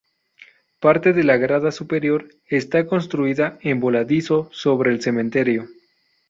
Parte de la grada superior está construida en voladizo sobre el cementerio.